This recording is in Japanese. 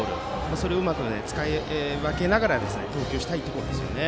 それをうまく使い分けながら投球したいところですね。